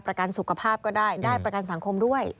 ประกันสุขภาพก็ได้ได้ประกันสังคมด้วย